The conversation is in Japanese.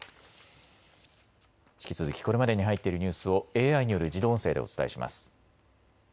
引き続きこれまでに入っているニュースをＡＩによる自動音声でお伝えします。